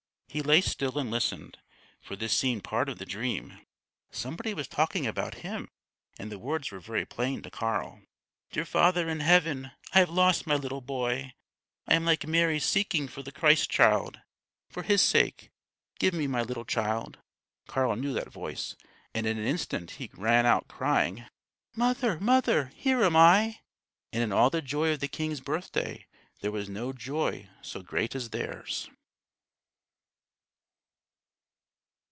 He lay still and listened, for this seemed part of the dream. Somebody was talking about him, and the words were very plain to Carl: "Dear Father in Heaven, I have lost my little boy. I am like Mary seeking for the Christ Child. For His sake, give me my little child!" Carl knew that voice, and in an instant he ran out crying: "Mother! mother! here am I!" And in all the joy of the king's birth day, there was no joy so great as theirs.